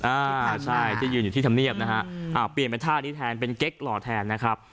อ่าใช่ที่ยืนอยู่ที่ธรรมเนียบนะฮะอ่าเปลี่ยนเป็นท่านี้แทนเป็นเก๊กหล่อแทนนะครับ